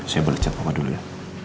saya balik cepat papa dulu ya